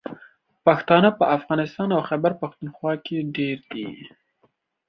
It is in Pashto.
پښتانه په افغانستان او خیبر پښتونخوا کې ډېر دي.